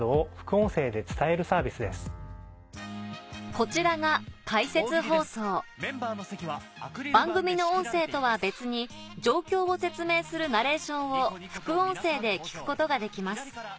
こちらが解説放送番組の音声とは別に状況を説明するナレーションを副音声で聞くことができます